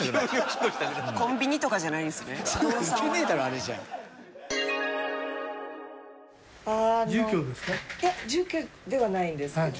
いや住居ではないんですけど。